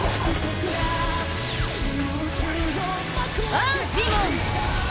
アンフィモン！